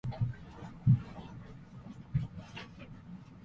千葉県大網白里市